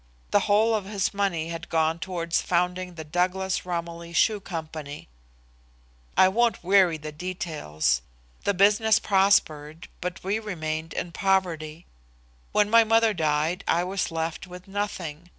The whole of his money had gone towards founding the Douglas Romilly Shoe Company. I won't weary with the details. The business prospered, but we remained in poverty. When my mother died I was left with nothing.